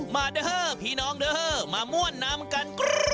มาเด้อเพียงน้องเด้อเมื่อม่วนน้ำกัน